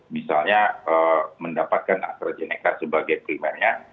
misalnya mendapatkan astrazeneca sebagai primernya